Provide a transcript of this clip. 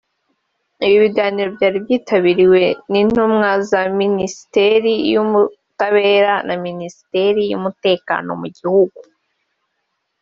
Ibi biganiro byari byitabiriwe n’intumwa za Minisiteri y’ubutabera na Minisiteri y’Umutekano mu gihugu